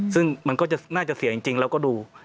ซึ่งมันก็จะน่าจะเสี่ยงจริงแล้วก็ดู